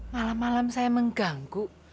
malem malem saya mengganggu